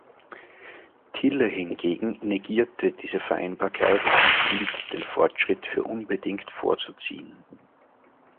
Tille hingegen negierte diese Vereinbarkeit und hielt den Fortschritt für unbedingt vorzuziehen.